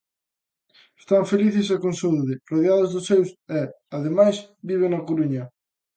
Están felices e con saúde, rodeados dos seus e, ademais, viven na Coruña.